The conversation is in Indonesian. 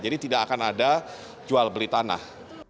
jadi tidak akan ada jual beli tanah